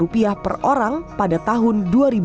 per orang pada tahun